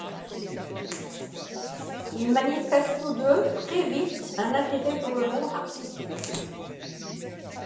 Ils manifestent tous deux, très vite un intérêt pour le monde artistique.